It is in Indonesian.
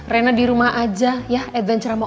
rena di rumah aja ya adventurenya